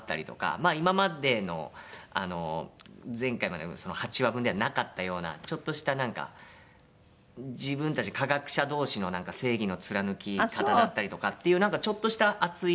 まあ今までのあの前回までの８話分ではなかったようなちょっとしたなんか自分たち科学者同士の正義の貫き方だったりとかっていうなんかちょっとした熱い。